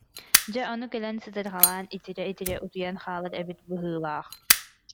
Дьэ, ону кэлэн сытырҕалаан, итирэ-итирэ утуйан хаалар эбит быһыылаах